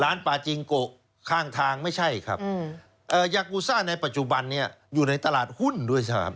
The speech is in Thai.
ปาจิงโกะข้างทางไม่ใช่ครับยากูซ่าในปัจจุบันนี้อยู่ในตลาดหุ้นด้วยใช่ไหมครับ